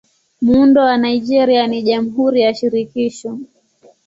Muundo wa Nigeria ni Jamhuri ya Shirikisho.